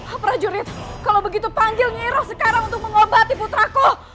aprah jurid kalau begitu panggil nyiroh sekarang untuk mengobati putraku